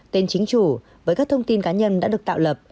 tên chính chủ với các thông tin cá nhân đã được tạo lập